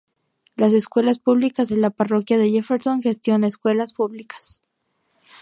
Las Escuelas Públicas de la Parroquia de Jefferson gestiona escuelas públicas.